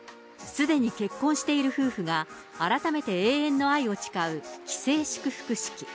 すでに結婚している夫婦が、改めて永遠の愛を誓う既成祝福式。